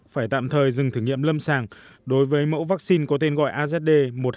phải tạm thời dừng thử nghiệm lâm sàng đối với mẫu vaccine có tên gọi azd một nghìn hai trăm hai mươi hai